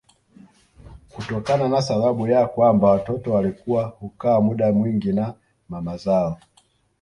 Kutokana na sababu ya kwamba watoto walikuwa hukaa muda mwingi na mama zao